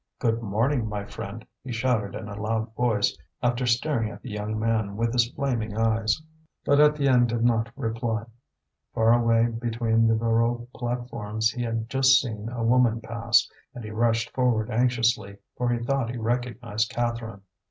"Good morning, my friend," he shouted in a loud voice, after staring at the young man with his flaming eyes. But Étienne did not reply. Far away between the Voreux platforms he had just seen a woman pass, and he rushed forward anxiously, for he thought he recognized Catherine.